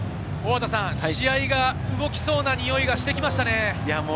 試合が動きそうなにおいがしてきましたね。